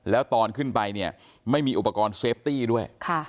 แล้วตอนขึ้นไปเนี่ยไม่มีอุปกรณ์เซฟตี้ด้วย